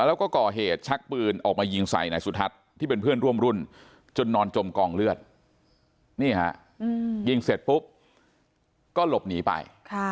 แล้วก็ก่อเหตุชักปืนออกมายิงใส่นายสุทัศน์ที่เป็นเพื่อนร่วมรุ่นจนนอนจมกองเลือดนี่ฮะยิงเสร็จปุ๊บก็หลบหนีไป